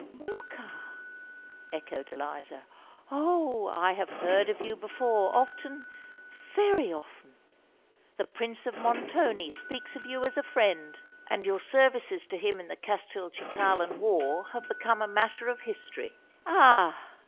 "Morcar!" echoed Eliza. "Oh! I have heard of you before—often—very often! The Prince of Montoni speaks of you as a friend; and your services to him in the Castelcicalan war have become a matter of history." "Ah!